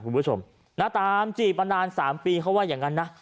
กูประชมตามจีบมานาน๓ปีที่กลัวว่าอย่างนั้นนะ